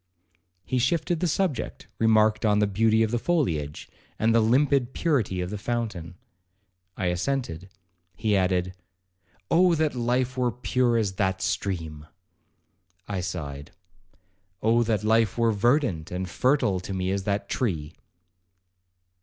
He shifted the subject, remarked on the beauty of the foliage, and the limpid purity of the fountain. I assented. He added, 'Oh that life were pure as that stream!' I sighed, 'Oh that life were verdant and fertile to me as that tree!'